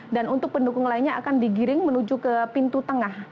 dan untuk pendukung lainnya akan digiring menuju ke pintu tengah